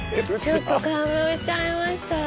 ちょっと感動しちゃいました。